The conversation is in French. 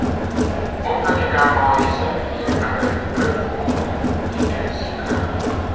On peut également les servir avec du beurre fondu et du sucre.